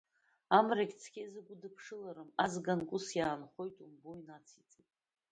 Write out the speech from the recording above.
Амрагь цқьа изагәдыԥшыларым, азганк ус иаанхоит умбои, нациҵеит.